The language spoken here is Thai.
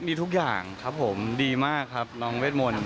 มีทุกอย่างครับผมดีมากครับน้องเวทมนต์